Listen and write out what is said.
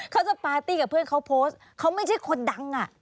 เขาจะปาร์ตี้กับเพื่อนเขาโพสต์เขาไม่ใช่คนดังอ่ะ